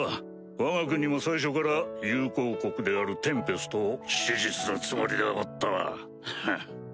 わが国も最初から友好国であるテンペストを支持するつもりでおったわフッ。